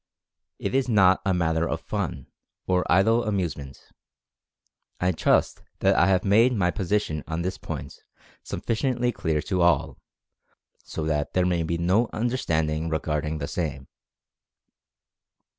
It is not a matter for fun (?), or idle amusement. I trust that I have made my posi tion on this point sufficiently clear to all, so that there may be no misunderstanding regarding the same.